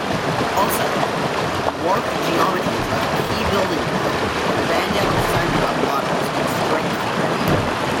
Also, warped geometries are the key building block of Randall-Sundrum models in string theory.